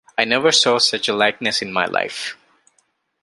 I never saw such a likeness in my life.